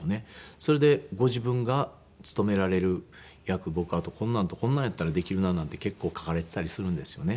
それでご自分が勤められる役僕あとこんなんとこんなんやったらできるななんて結構書かれていたりするんですよね。